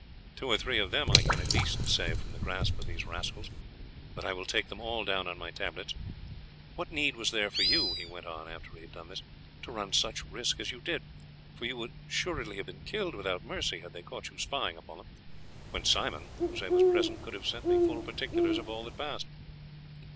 "Two or three of them I can at least save from the grasp of these rascals," he said, "but I will take them all down on my tablets. What need was there for you," he went on after he had done this, "to run such risk as you did for you would assuredly have been killed without mercy had they caught you spying upon them when Simon, who you say was present, could have sent me full particulars of all that passed?"